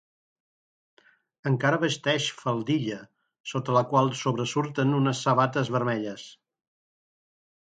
Encara vesteix faldilla, sota la qual sobresurten unes sabates vermelles.